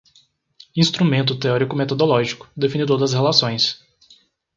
instrumento teórico-metodológico, definidor das relações